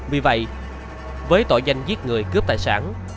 vì vậy với tội danh giết người cướp tài sản